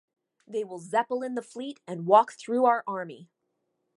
They will Zeppelin the fleet and walk through our army.